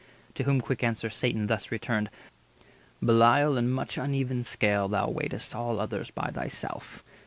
To whom quick answer Satan thus returned:— "Belial, in much uneven scale thou weigh'st All others by thyself.